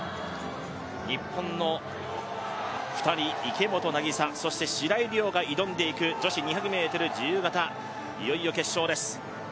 日本の２人、池本凪沙、そして白井璃緒が挑んでいく女子２００ｍ自由形、いよいよ決勝です